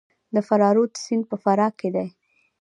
د فرا رود سیند په فراه کې دی